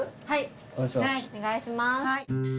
はいお願いします。